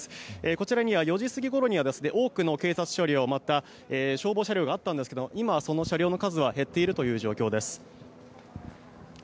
こちらには４時過ぎごろには多くの警察車両また、消防車両があったんですが今、その車両の数は減っている状況です。